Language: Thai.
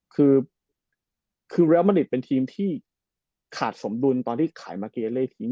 คือคือเรียลมะนิดเป็นทีมที่ขาดสมดุลตอนที่ขายมาเกเล่ทิ้ง